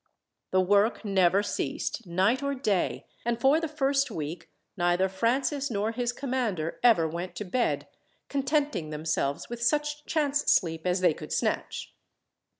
The work never ceased, night or day, and for the first week neither Francis, nor his commander, ever went to bed, contenting themselves with such chance sleep as they could snatch.